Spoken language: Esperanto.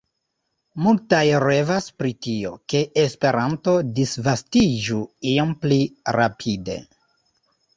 Multaj revas pri tio, ke Esperanto disvastiĝu iom pli rapide.